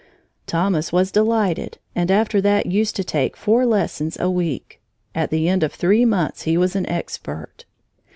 Thomas was delighted and after that used to take four lessons a week. At the end of three months he was an expert.